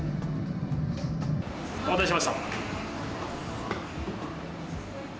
お待たせしました。